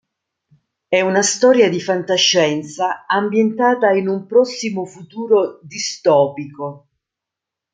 È una storia di fantascienza ambientata in un prossimo futuro distopico.